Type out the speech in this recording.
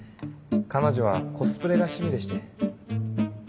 彼女はコスプレが趣味でして。